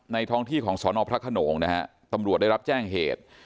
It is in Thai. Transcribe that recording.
ท้องที่ของสอนอพระขนงนะฮะตำรวจได้รับแจ้งเหตุ